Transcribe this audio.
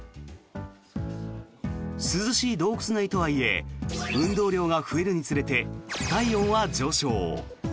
涼しい洞窟内とはいえ運動量が増えるにつれて体温は上昇。